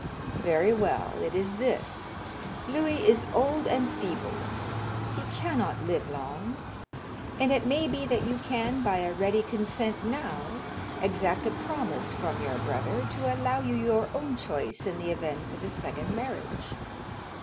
"Very well; it is this: Louis is old and very feeble; he cannot live long, and it may be that you can, by a ready consent now, exact a promise from your brother to allow you your own choice in the event of a second marriage.